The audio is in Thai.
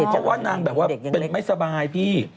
เพราะว่านางแบบว่าไม่สบายพี่